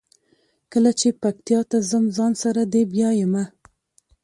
کله چې پکتیا ته ځم ځان سره دې بیایمه.